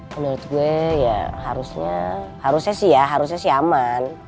menurut gue ya harusnya harusnya sih ya harusnya sih aman